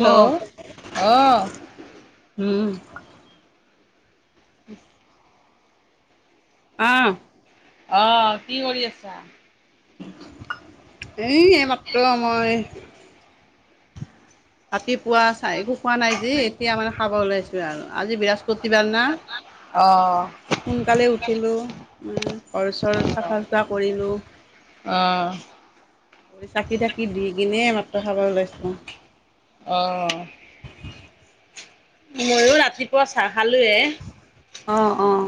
গ অহ উম উম আহ আহ কি কৰি আছা এ এইমাত্ৰ মই ৰাতিপুৱা চাই একো খোৱা নাই যেি এতিয়া মানে খাব ওলাইছো আৰু আজি বৃহস্পতিবাৰ না অহ সোনকালে উঠিলোঁ ঘৰ চৰত চাফা চুফা কৰিলোঁ অঁ কৰি চাকি থাকি দি কিনে মাত্ৰ খাব ওলাইছো আহ ময়ো ৰাতিপুৱা চাহ খালোে অঁ অঁ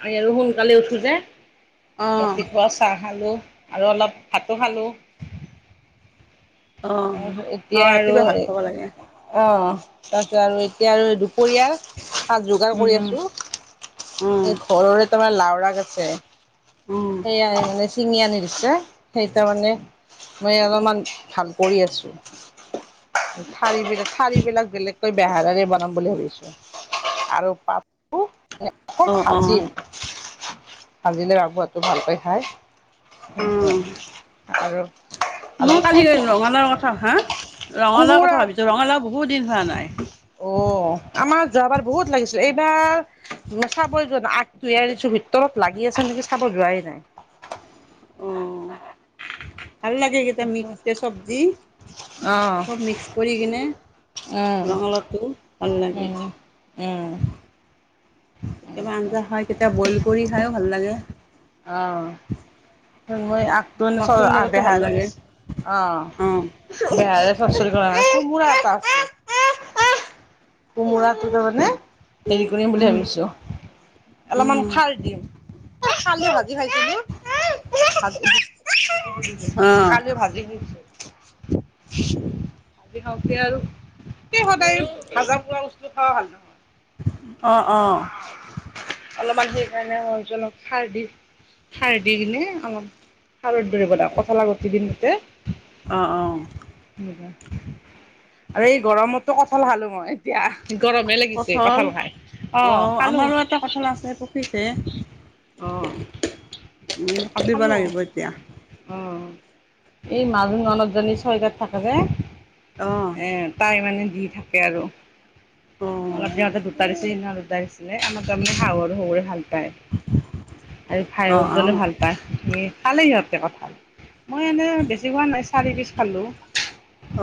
আ আৰু সোনকালে উঠোঁ যে অঁ ৰাতিপুৱা চাহ খালোঁ আৰু অলপ ভাতো খালো অঁ এতিয়া অঁ আৰু ৰাতিপুৱা অ ভাত খাব লাগে তাৰ পাছত আৰু এতিয়া আৰু এই দু পৰিয়াল শাক যোগাৰ অঁ কৰি আছো অঁ এই ঘৰৰে তোমাৰ লাওৰ আগ আছে অঁ সেয়য়াই মানে চিঙি আনি দিছে সেই তাৰ মানে মই অলপমান ভাল কৰি আছোঁ ঠাৰি বিলা ঠাৰি বিলাক বেলেগকৈ বেহাৰেৰে বনাম বুলি ভাবিছো আৰু পাপু অকৌ অঁ অঁ ভাজিম ভাজিলে বাবুহতো ভালকৈ খায় উম স আৰু আৰু মই কালি গল ৰঙালাওৰ কথা হা ৰঙালাওৰ কোমোৰা কথা ভাবিছোঁ ৰঙালাও বহুত দিন হোৱা নাই অ আমাৰ যাবাৰ বহুত লাগিছিল এই এইবাৰ চাবই যোৱা নাই আগটোহে আনিছোঁ ভিত তত লাগি আছে নেকি চাব যোৱাই নাই [inaudible] অঁ ভাল লাগেকেইটা মিক্স চবজি অ' চব মিক্স কৰি কিনে উম ৰঙালাওটো ভাল লাগে উম উম কেতিয়াবা আঞ্জা খাই কেতিয়াবা বইল কৰি খাইও ভাল লাগে অ' মই আগটো এনে মাছৰ লগতো ভাল বেহাৰাৰে লাগে অ, বেহাৰে চৰসৰি কোমোৰা এটা আছে। কোমোৰাটো তাৰমানে হেৰি কৰিম বুলি উম ভাবিছো, অলপমান উম খাৰ দিম। কালি ভাজি খাইছিলো। অ কালি ভাজি দিছোঁ। ভাজি খাওঁতে আৰু এ সদায় ভাজা পোৰা বস্তু খোৱা ভাল নহয় অ, অ'। অলপমান সেই কাৰণে মইভাবচো অলপ খাৰ দি খাৰ দি কিনে অলপ খাৰত দি কিনে বনাম কঁঠালৰ গুটি দিন এতে। অ অ আৰু এই গৰমতটো কঠাল খালো মই। এতিয়া গৰমহে লাগিছে কঠল কঠাল খাই। অ, অঁ খালোঁ আমাৰো এটা কঠাল আছে পকিছে। অ, কাটিব খালো অ। লাগিব এতিয়া উম। এই মাজু ননদ জনি ছয়গাওঁত থাকে যে অ এ তাই মানে দি থাকে আৰু অ অলপ দিনতে দুটা দি দুটা দিছিলে আমাৰ তাৰমানে শাহু আৰু শহুৰে ভাল পায়। আৰু ভাই অ শহুৰ অ জনে ভাল পায় খালে সিহঁতে কঠাল। মই এনেই বেছি খোৱা নাই চাৰি পিচ খালোঁ।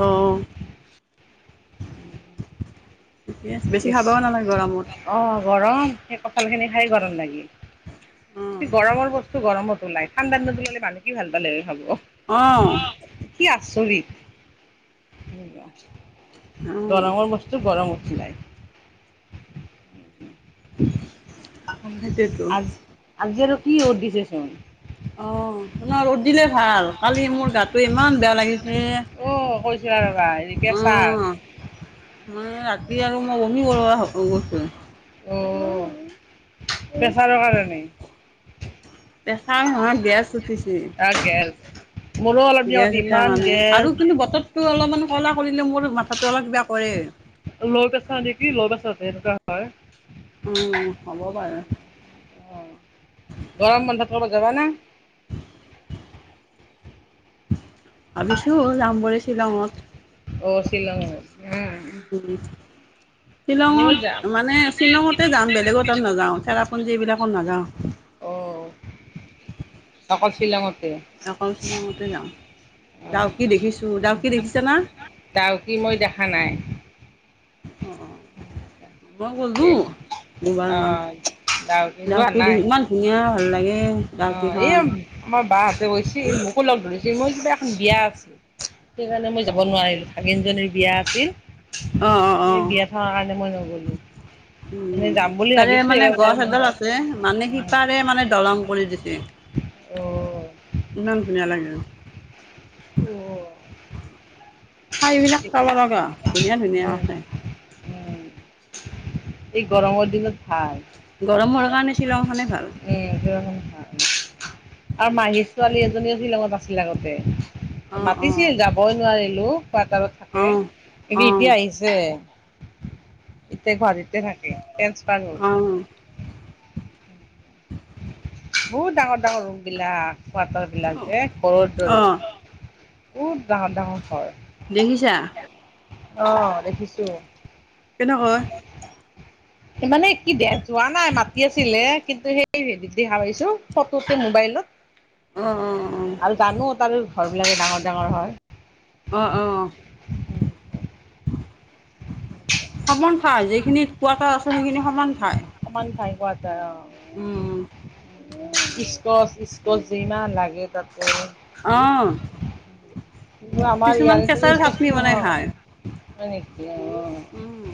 অ উম। ঠিকে আছে বেছি ইস খাবও নালাগে গৰমত অ'। গৰম সেই কঠাল খিনি খাই গৰম লাগিল, অ গৰমৰ বস্তু গৰমত উলাই ঠাণ্ডাত দিনত ওলালে মানুহ কি ভাল পালে হয় খাব অ' কি আচৰিত। অ গৰমৰ বস্তু গৰমত ওলায়। সেইটোৱেতো আজ আজি আৰু কি ৰ'দ দিছেচোন। অ, ন ৰ'দ দিলে ভাল কালি মোৰ গাতটো ইমান বেয়া লাগিছে। অ' কৈছিলা ৰবা হেৰি অ প্ৰেছাৰ মানে ৰাতি আৰু মই বমি কৰা হোৱাৰ দৰে হৈছোঁ। অ, প্ৰেছাৰৰ কাৰণে। প্ৰেছাৰ নহয় গেছ উঠিছে। আ গেছ মোৰো অলপ দিনত গেছ উঠা ইমান কাৰণে আৰু গেছ কিন্তু বতৰটো অলপমান ক'লা কৰিলে মোৰ মাথাটো অলপ কিবা কৰে। লো প্ৰেছাৰ নেকি লো প্ৰেছাৰতহে এনেকুৱা হয়। উম, হ'ব পাৰে। অ গৰম বন্ধত ক'ৰবাত যাব নে? ভাবিছো যাম বুলি শ্বিলঙত। অ' শ্বিলঙত। উম। আমিও শ্বিলঙত যাম মানে শ্বিলঙতে যাম বেলেগৰ তাত নাযাওঁ ঠেৰাপুঞ্জী এইবিলাকোত নাযাওঁ। অ', অকল শ্বিলঙতে অকল শ্বিলঙতে যাম অ ডাউকি দেখিছো, ডাউকি দেখিছা না। ডাউকি মই দেখা নাই। অ, মই গলো এই দুবাৰ অ মান। যোৱা নাই ডাউকি ইমান ধুনীয়া ভাল লাগে অ ডাউকিখন। মোক লগ ধৰিছিল মই কিবা এখন বিয়া আছিল সেইকাৰণে মই যাব নোৱাৰিলো। ভাগিনজনীৰ বিয়া আছিল, অ অ অ। সেই বিয়া থাকাৰ কাৰণে মই নগলো। উম, তাৰে মানে গৰম গছ এডাল বন্ধত আছে মানে সিপাৰে মানে দলং কৰি দিছে। অ', ইমান ধুনীয়া লাগে। অ', ঠাইবিলাক চাব লগা ধুনীয়া ধুনীয়া আছে। এই গৰমৰ দিনত ভাল গৰমৰ কাৰণে শ্বিলংখনে ভাল। উম। আৰু মাহীৰ ছোৱালী এজনীও শ্বিলঙত আছিল আগতে। অ অ। মাতিছিল যাবই নোৱাৰিলো কোৱাৰ্টাৰত থাকে অঁ কিন্তু অঁ এতিয়া আহিছে। এতিয়া গুৱাহাটীতে থাকে ট্ৰান্সফাৰ হ'ল। অঁ বহুত ডাঙৰ ডাঙৰ ৰুম বিলাক কোৱাৰ্টাৰ বিলাক যে ঘৰৰ দৰে। অঁ বহুত ডাঙৰ ডাঙৰ ঘৰ। দেখিছা। অহ দেখিছোঁ। কেনেকৈ। মানে কি যোৱা নাই মাতি আছিলে কিন্তু সেই হেৰি। দেখা পাইছোঁ ফটোতে অ অ মোবাইলত আৰু জানো তাৰে। ঘৰবিলাক ডাঙৰ ডাঙৰ হয়। অহ অহ। [unintelligible] সমান ঠাই যিখিনিত কোৱাৰ্টাৰ আছে সেইখিনি সমান। ঠাই। সমান ঠাই কোৱাৰ্টাৰ অ। উম স্কচ স্কচ ইমান লাগে তাতে। অহ। কিন্তু আমাৰ ইয়াৰফালে ইস্কাচ নহয় হয় নেকি অ। উম,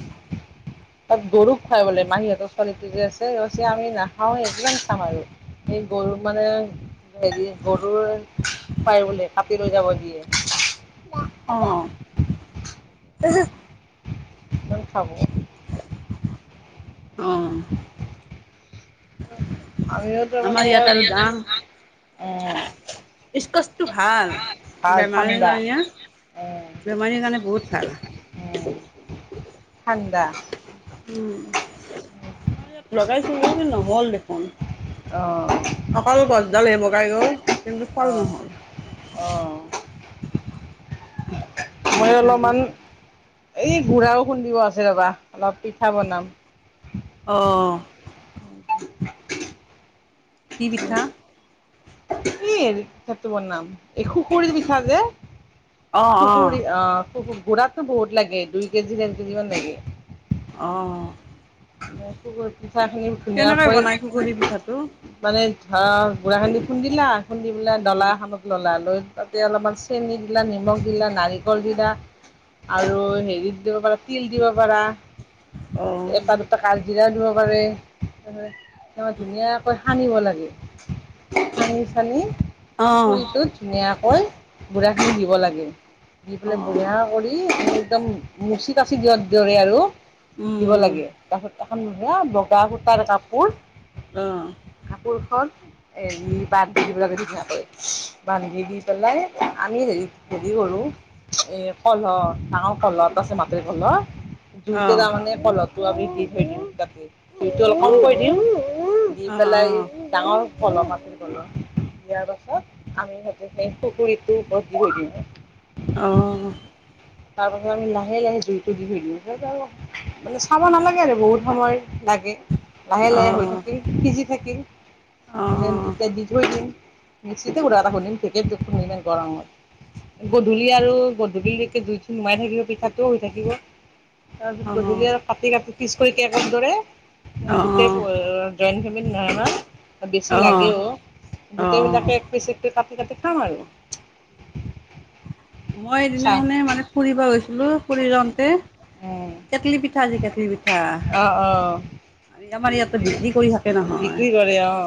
তাত গৰুক খুৱাই বোলে মাহীহঁতৰ ছোৱালীটো যে আছে আমি নাখাওঁ এই কিমান খাম আৰু। সেই গৰু মানে হেৰি গৰুৰ পায় বোলে কাতি লৈ যাব দিয়ে। অ। উমহু। কিমান খাব। অ। আমিও তাৰ আমাৰ মানে ইয়াত আৰু দাম [unintelligible] উম। স্কচটো ভাল ভাল বেমাৰীৰ ঠাণ্ডা কাৰণে উম, বেমাৰীৰ কাৰণে বহুত ভাল। উম। ঠাণ্ডা। উম আমাৰ ইয়াত লগাইছিলো কিন্তু নহ'ল দেখোন। অ', অকল গছডাল হে বগাই গ'ল কিন্তু ফল অ', নহ'ল। অ', মই কিহৰ কাৰণে অলপমান। এই গুৰাও খুন্দিব আছে ৰ'বা অলপ পিঠা বনাম। অহ। কি পিঠা। সেই পিঠাটো বনাম এই খুখুৰি পিঠা যে। অ', অ', পুকুৰী আহ পুকুৰ গুৰাটো বহুত লাগে দুই কেজি ডেৰ কেজি মান লাগে। অহ। পিঠা খিনি ধুনীয়াকৈ বনাই সুগুৰি পিঠাটো? মানে। অ গুড়াখিনি খুন্দিলা খুন্দি পেলাই ডলা এখনক ল'লা লৈ। তাতে অলপমান চেনি দিলা নিমখ দিলা নাৰিকল দিলা আৰু হেৰিত দিব পৰা। অ', তিল। তাৰ ধুনীয়াকৈ সানিব লাগে সানি চানি। অ', পুখুৰীটোত ধুনীয়াকৈ গুঢ়াখিনি দিব লাগে। দি পেলাই অ', বঢ়িয়া কৰি একদম মুচি কাচি দিয়াৰ দৰে আৰু। দিব উম, লাগে তাৰপিছত এখন বগা সূতাৰ কাপোৰ। অহ। কাপোৰখন এৰি পাত। সিবিলাকে দি বান্ধি দি পেলাই আমি হেৰি হেৰি কৰোঁ এই। কলহ নাওঁ। কলহ এটা আছে মাটিৰ কলহ জুইতে অ', তামানে কলহটো আমি দি থৈ দিওঁ তাতে সুইতটো অলপ কমকৈ অ'। দিও উম দি পেলাই ডাঙৰ কলম আছিল কলম দিয়াৰ পাছত আমি সতে সেই পুখুৰীটো গৈ থৈ দিওঁ অহ তাৰ পাছত আমি লাহে লাহে জুইটো দি থৈ দিও মানে চাব নালাগে আৰু বহুত সময় লাগে লাহে লাহে হৈ থাকিল সিজি থাকিল স এতিয়া দি থৈ দিম মিক্সিতে ঘুৰা এটা খুন্দিম ঢেকিত কত খুন্দিম ইমান গৰমত গধূলি আৰু গ গধুলিলেকে জুই পিছ শইকীয়া ঘৰ দৰে গোটেই জইণ্ট ফেমি নহয় ন বেছি লাগে অঁ। অ অঁ। গোটেইবিলাকে এক পিচতে এ কাটি কাটি খাম আৰু মই চাই এইদিনাখনে মানে ফুৰিব গৈছো লো কৰি যাওতে কেটলি পিঠা যে কেটলি পিঠা অঁ অঁ আমাৰ ইয়াতো বিক্ৰী কৰি থাকে নহয় বিক্ৰী কৰে অঁ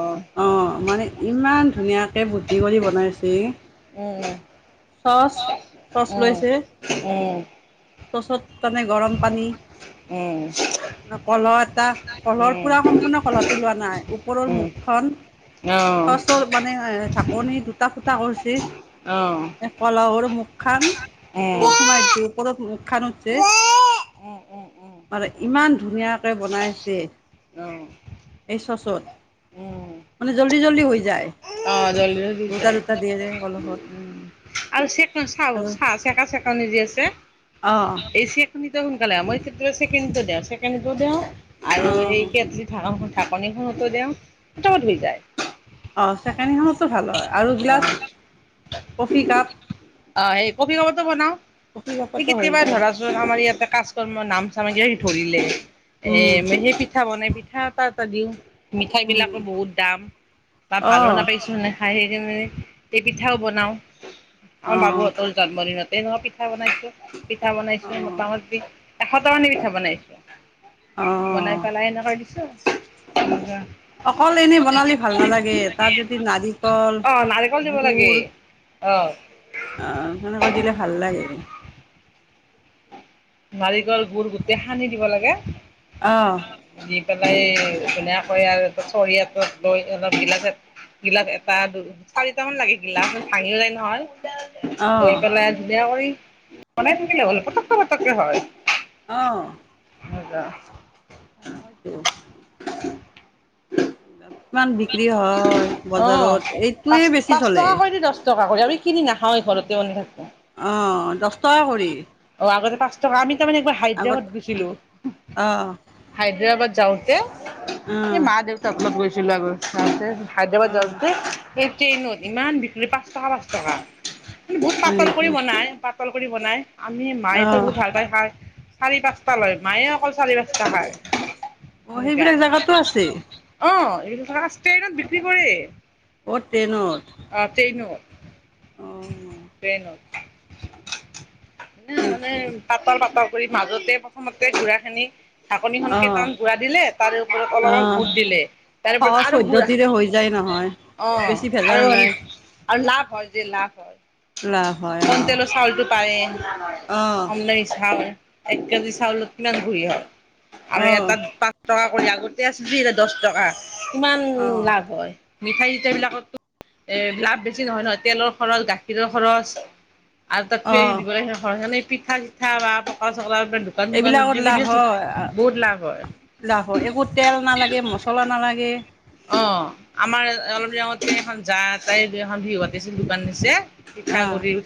অ মানে ইমান ধুনীয়াকে ভূৰ্তি কৰি বনাইছে অ চচ চচ অ লৈছে অ অ চচত মানে গৰম পানী উম কলহ এটা কলহৰ উম উম পুৰা সম্পূৰ্ণ কলহটো লোৱা নাই ওপৰৰ উম মুখখন অঁ চচৰ মানে এ ঢাকনি দুটা ফুটা কৰিছে অঁ এ কলহৰ মুখ খান তলত সোমাই উম দিছে ওপৰত মুখ খান আছে উম উম উম আৰ ইমান ধুনীয়াকে বনাইছে এই চচত উম মানে জল্দ জল্দি জল্দি হৈ যায় অ জল্দি জল্দি দুটা যায় দুটা দিয়ে যে কলহত আৰু চে চাহ আৰু চাহ চেকা চেকনি যে আছে অ এই চেকেনিতে সোনকালে হও মই তো চেকেনিতে দও চেকেনিতে দও অ আৰু হেৰি কেটলি ঢাকনিখন ঢাকনিখনতে দেও পটাপট হৈ যায় অ চেকেনিখনটো ভাল হয় আৰু অ গিলাচ কফি কাপ অ সেই কফি কাপতো বনাও কফি এই কাপতে হৈ কেতিয়াবা যায় ধৰাচোন আমাৰ ইয়াতে কাজ কৰ্ম নাম ধৰিলে এ উম মানে পিঠা বনাই পিঠা এটা এটা দিওঁ মিঠাই বিলাকো উম বহুত দাম বা অ ভালো নাপাইচোন নে খা আৰু হেই দিনাও এই পিঠাও বনাওঁ আমাৰ অ বাবুহঁতৰ জন্মদিনত এইবাৰু পিঠা বনাইছো পিঠা বনাইছো অ মোটামুটি এশটা মানে পিঠা বনাইছো অ বনাই পেলাই এনেকৈ দিছো অকল এনেই বনালি ভাল ভাল নালাগে তাৰ যদি নাৰিকল অ' নাৰিকল দিব লাগে। গু়ৰ অ' অহ সেনেকা দিলে ভাল লাগে নাৰিকল গুৰ গোটে সানি দিব লাগে অহ দি পেলাই ধুনীয়াকৈ আৰু চৰিয়াটোত লৈ এনে গিলাচত গিলাচ এটা দু চাৰিটা মান লাগে গিলাচ ভাঙিলে নহয় গৈ অ', পেলাই ধুনীয়া কৰি বনাই থাকিলে হ'ল পটক পটককে হয় অ মজা আৰু হয়তো কিমান বিক্ৰী হয় অ', বজাৰত পাঁচ এইটোৱে বেছি পাঁচ চলে টকা কৰি দহ টকা কৰি আমি কিনি নাখাও ঘৰতে এনেকে অ দছ টকা কৰি অ', আগতে পাঁচ আমি তাৰমানে একবাৰ আগত হায়দৰাবাদ গৈছিলো অ', হায়দৰাবাদ যাওঁতে এই অ', মা দেউতাক লগ গৈছিলো আগৌ তাতে হায়দৰাবাদ অ', যাওঁতে এই ট্ৰেইনত ইমান বিক্ৰী পাঁচ টকা, পাঁচ টকা বহুত হয় পাতল কৰি নেকি? বনাই পা তল কৰি বনাই। আমি মায়ে অ', বহুত ভাল পায় খাই, চাৰি পাঁচ টালৈ, মায়ে অকল চাৰি পাঁচটা খায়। অ', নিগা সেইবিলাক জেগাতো আছে। অ'। এই ক্লাছ ষ্টেইনত বিক্ৰী কৰে। অ' টেনত। টেইনত। ন মানে সেইটো পাতল পাতল কৰি মাজতে প্ৰথমতে ঘোৰা খিনি ঢাকনিখন অ', কেইটামান গুড়া দিলে তাৰ ওপৰত অলপ অলপ অ', বুট দিলে তাৰেওপত সহজ আৰু ঘুৰা, পদ্ধতিৰে হৈ যায় নহয়। অ' বেছি আৰু, ভেজাল নাই আৰু লাভ হয় যে, লাভ হয়। লাভ হয় অ', কণতেলৰ চাউলতটো পায়ে। অ', কম। দামি চাউল। এক কেজি চালত কিনান গুৰি হয় আৰু অ', এটাত পাঁচ টকা কৰি আগতে আছিজি এটা দছ টকা কিমান অ', লাভ হয়। মিঠাই চিঠাইবিলাকতো এ লাভ বেছি নহয় ন তেলৰ খৰচ, গাখীৰৰ খৰচ। আৰু তাত প্ৰেই অ', দিবলে [unintelligible] সেনে পিঠা চিঠা বা পকৰা চকৰা দোকান চোকান এইবিলাকত দি পিনি বহুত লাভ হয়। লাভো হয়। একো তেল নালাগে, মছলা নালাগে। অ' আমাৰ অলপ দিন আগতে এখন জাত তাই হিদিনাখন বিহু পাতিছিল, দোকান দিছে, আহ পিঠাগুৰিও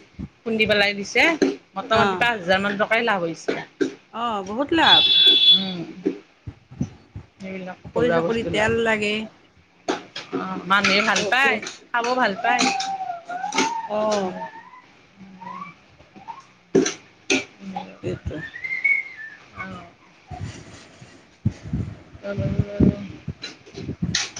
খুন্দি পেলাই দিছে মটামটি পাঁচ হাজাৰ মান টকাই লাভ হৈছ অ' বহুত লাভ। উম সেইবিলাক পকৰি ঘৰুৱা চকৰি বস্তু লাভ তেল লাগে। অ' মানুহে ভাল বহুত পায়, খাব ভাল পায় উ। অ সেইটো। অ'। [inaudible] [unintelligible]